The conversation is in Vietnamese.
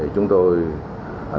chúng tôi sẽ xử lý